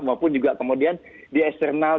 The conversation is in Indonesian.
maupun juga kemudian di eksternal